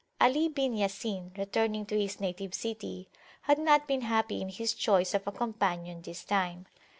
Ali bin Ya Sin, returning to his native city, had not been happy in his choice of a companion this time.